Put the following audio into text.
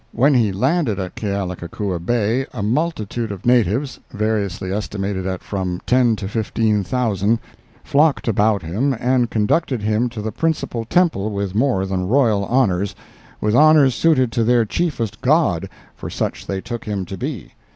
When he landed at Kealakekua Bay, a multitude of natives, variously estimated at from ten to fifteen thousand, flocked about him and conducted him to the principal temple with more than royal honors—with honors suited to their chiefest god, for such they took him to be.